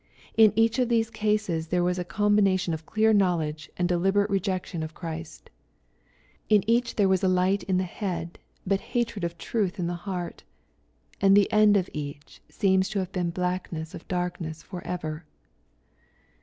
In each of these cases there was a combination of clear knowledge and deliberate rejection of Christ. In each there was light in the head, but hatred of truth in the heart. And the end of each seems to have been blackness of darkness for ever.